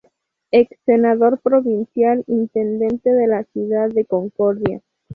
Ex Senador provincial, Intendente de la ciudad de Concordia.